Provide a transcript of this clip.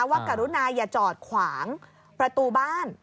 กรุณาอย่าจอดขวางประตูบ้าน